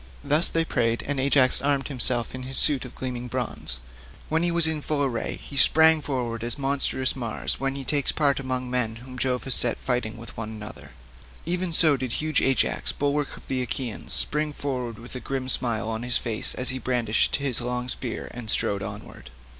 Thus they prayed, and Ajax armed himself in his suit of gleaming bronze. When he was in full array he sprang forward as monstrous Mars when he takes part among men whom Jove has set fighting with one another—even so did huge Ajax, bulwark of the Achaeans, spring forward with a grim smile on his face as he brandished his long spear and strode onward.